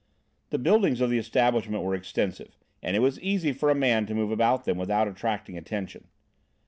The buildings of the establishment were extensive, and it was easy for a man to move about them without attracting attention.